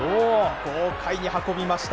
豪快に運びました。